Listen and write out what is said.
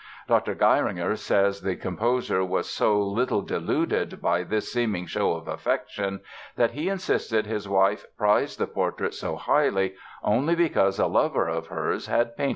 Dr. Geiringer says the composer was so little deluded by this seeming show of affection that he insisted his wife prized the portrait so highly only because a lover of hers had painted it.